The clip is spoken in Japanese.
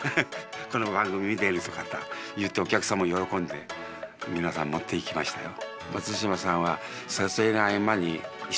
この番組見てるって方お客さんも喜んで皆さん持っていきましたよ。